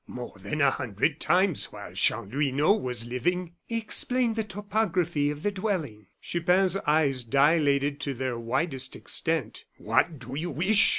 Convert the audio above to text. "More than a hundred times while Chanlouineau was living." "Explain the topography of the dwelling!" Chupin's eyes dilated to their widest extent. "What do you wish?"